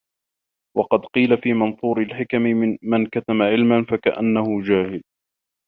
وَقَدْ قِيلَ فِي مَنْثُورِ الْحِكَمِ مَنْ كَتَمَ عِلْمًا فَكَأَنَّهُ جَاهِلٌ